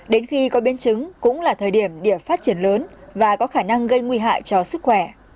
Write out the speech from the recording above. đến khi có biến chứng cũng là thời điểm địa phát triển lớn và có khả năng gây nguy hại cho sức khỏe